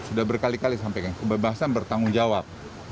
sudah berkali kali sampaikan kebebasan bertanggung jawab